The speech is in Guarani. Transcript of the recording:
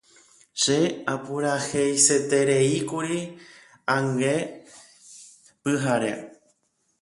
Che apuraheisetereíkuri ange pyhare.